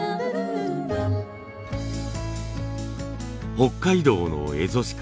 北海道のエゾシカ。